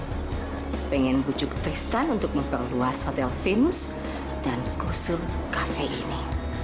saya ingin bujuk tristan untuk memperluas hotel venus dan kursul cafe ini